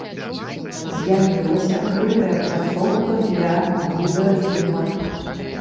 З'явілася крытая пляцоўка для відэаздымак.